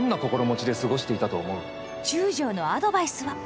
中将のアドバイスは。